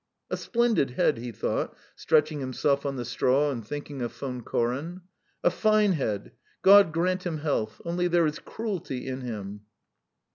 "A splendid head," he thought, stretching himself on the straw, and thinking of Von Koren. "A fine head God grant him health; only there is cruelty in him.